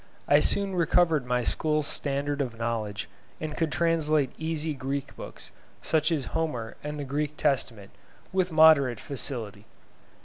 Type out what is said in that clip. I soon recovered my school standard of knowledge, and could translate easy Greek books, such as Homer and the Greek Testament, with moderate facility.